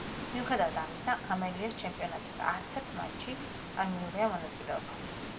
მიუხედავად ამისა, ამელიას, ჩემპიონატის არცერთ მატჩში არ მიუღია მონაწილეობა.